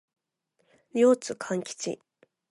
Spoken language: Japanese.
両津勘吉